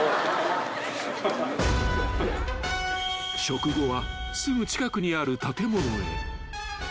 ［食後はすぐ近くにある建物へ］